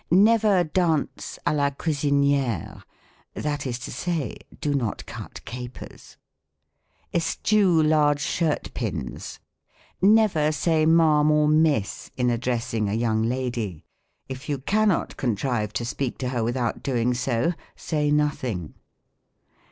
Never dance d la cuisinUre, that is to say, do not cut capers. Eschew large shirt pins. Never say " Ma'am " or " Miss," in addressing a young lady. If you cannot contrive to speak to her without doing so, say nothing.